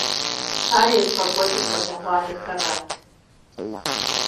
Ар езыгъэкӏуэкӏыр щӏалэгъуалэхэр арат.